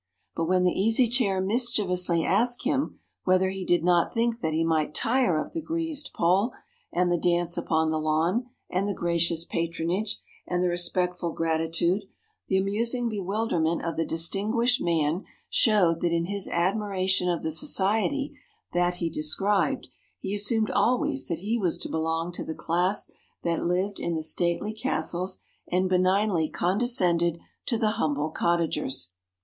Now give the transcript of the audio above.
But when the Easy Chair mischievously asked him whether he did not think that he might tire of the greased pole, and the dance upon the lawn, and the gracious patronage, and the respectful gratitude, the amusing bewilderment of the distinguished man showed that in his admiration of the society that he described he assumed always that he was to belong to the class that lived in the stately castles and benignly condescended to the humble cottagers.